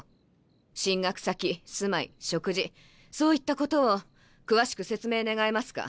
進学先住まい食事そういったことを詳しく説明願えますか？